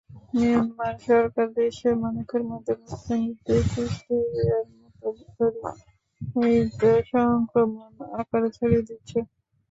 Myanmar সরকার দেশের মানুষের মধ্যে মুসলিমবিদ্বেষ হিস্টিরিয়ার মতো তড়িত সংক্রমন আকারে ছড়িয়ে দিচ্ছে।